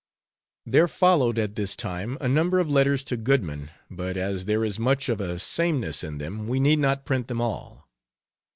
There followed at this time a number of letters to Goodman, but as there is much of a sameness in them, we need not print them all.